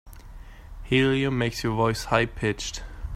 Helium makes your voice high pitched.